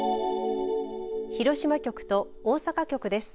広島局と大阪局です。